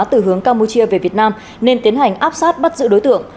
từ hướng campuchia về việt nam nên tiến hành áp sát bắt giữ đối tượng